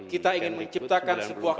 kita ingin menciptakan sebuah